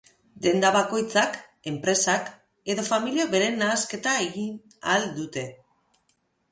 Denda bakoitzak, enpresak, edo familiak beren nahasketa egin ahal dute.